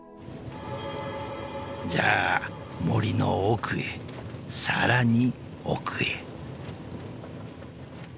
［じゃあ森の奥へさらに奥へ］